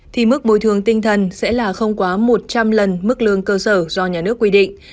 thì mức bồi thường tinh thần sẽ là không quá một trăm linh lần mức lương cơ sở do nhà nước quy định